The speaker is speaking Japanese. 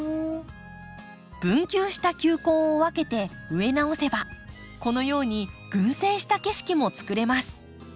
分球した球根を分けて植え直せばこのように群生した景色も作れます。